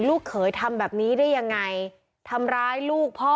ลูกเขยทำแบบนี้ได้ยังไงทำร้ายลูกพ่อ